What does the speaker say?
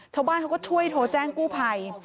ชาวบ้านเขาก็ช่วยโทรแจ้งกู้ภัย